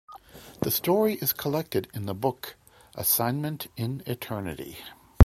The story is collected in the book "Assignment in Eternity".